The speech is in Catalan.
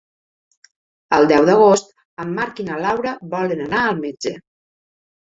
El deu d'agost en Marc i na Laura volen anar al metge.